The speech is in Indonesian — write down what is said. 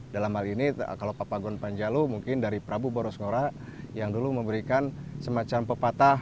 dalam hal ini kalau papagon panjalu mungkin dari prabu boros ngora yang dulu memberikan semacam pepatah